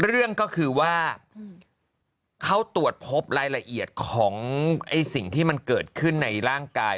เรื่องก็คือว่าเขาตรวจพบรายละเอียดของสิ่งที่มันเกิดขึ้นในร่างกาย